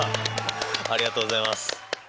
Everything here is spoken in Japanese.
ありがとうございます。